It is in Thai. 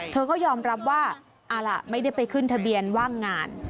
เธอก็ยอมรับว่าเอาล่ะไม่ได้ไปขึ้นทะเบียนว่างงาน